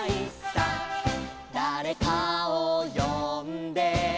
「だれかをよんで」